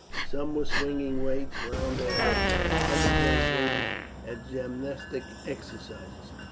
Some were swinging weights round their heads, others were engaged at gymnastic exercises.